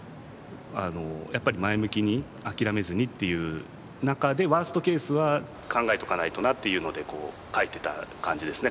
やっぱり、前向きに諦めずにっていう中でワーストケースは考えとかないとなっていうので書いてた感じですね。